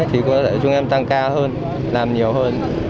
thì có thể chúng em tăng ca hơn làm nhiều hơn